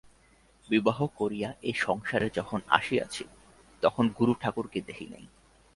বিবাহ করিয়া এ সংসারে যখন আসিয়াছি তখন গুরুঠাকুরকে দেখি নাই।